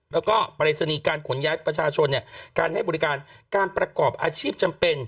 แล้วก็ปริศนีย์การขนย้ายประชาชนเนี่ยการให้บริการการประกอบอาชีพจำเป็น